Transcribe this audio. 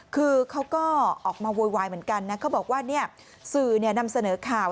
คือเขาก็ออกมาโวยวายเหมือนกันนะเขาบอกว่าสื่อนำเสนอข่าว